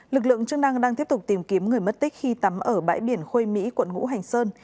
lực lượng chức năng đang tiếp tục tìm kiếm người mất tích khi tắm ở bãi biển khôi mỹ quận ngũ hành sơn